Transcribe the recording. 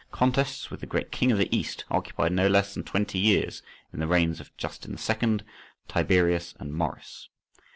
Contests with the Great king of the East occupied no less than twenty years in the reigns of Justin II., Tiberius, and Maurice.